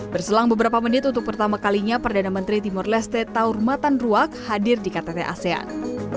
berselang beberapa menit untuk pertama kalinya perdana menteri timur leste taur matan ruak hadir di ktt asean